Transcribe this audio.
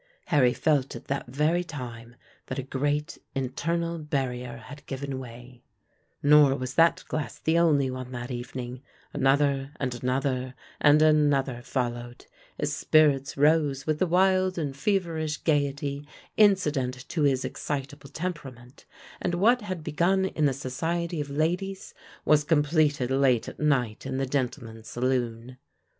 Harry felt at that very time that a great internal barrier had given way; nor was that glass the only one that evening; another, and another, and another followed; his spirits rose with the wild and feverish gayety incident to his excitable temperament, and what had been begun in the society of ladies was completed late at night in the gentlemen's saloon.